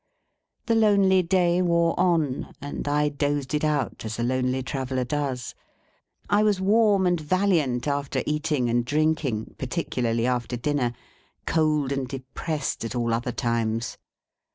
The lonely day wore on, and I dozed it out, as a lonely traveller does. I was warm and valiant after eating and drinking, particularly after dinner; cold and depressed at all other times.